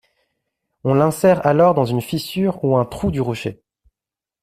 On l'insère alors dans une fissure ou un trou du rocher.